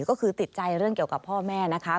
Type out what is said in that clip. ก็คือติดใจเรื่องเกี่ยวกับพ่อแม่นะคะ